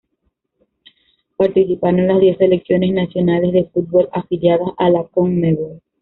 Participaron las diez selecciones nacionales de fútbol afiliadas a la Conmebol.